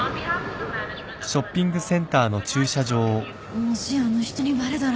もしあの人にバレたら。